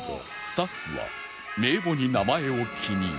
スタッフは名簿に名前を記入